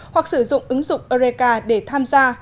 hoặc sử dụng ứng dụng eureka để tham gia